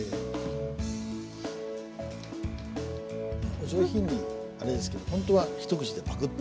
お上品にあれですけどほんとは一口でパクッと。